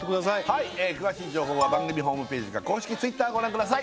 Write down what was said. はい詳しい情報は番組ホームページか公式Ｔｗｉｔｔｅｒご覧ください